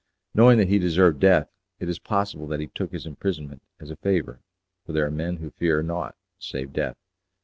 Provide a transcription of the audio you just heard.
Knowing that he deserved death, it is possible that he took his imprisonment as a favour, for there are men who fear nought save death.